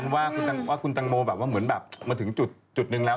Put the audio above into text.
ว่าคุณตังโมเหมือนมันถึงจุดนึงแล้ว